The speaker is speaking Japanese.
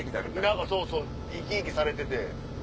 何かそうそう生き生きされてて。